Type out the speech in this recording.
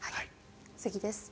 次です。